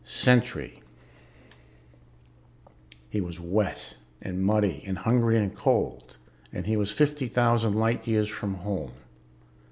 Sentry He was wet and muddy and hungry and cold, and he was fifty thousand light years from home.